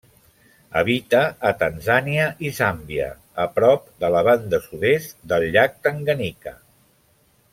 Habita a Tanzània i Zàmbia, a prop de la banda sud-est del Llac Tanganyika.